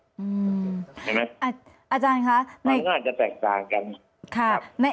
อืมอาจารย์ค่ะ